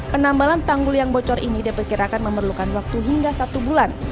penambalan tanggul yang bocor ini diperkirakan memerlukan waktu hingga satu bulan